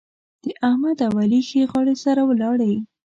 د احمد او علي ښې غاړې سره ولاړې.